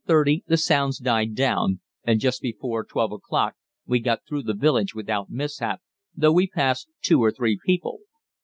30 the sounds died down and just before 12 o'clock we got through the village without mishap, though we passed two or three people.